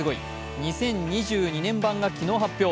２０２１版が昨日、発表。